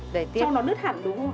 cho nó đứt hẳn đúng không ạ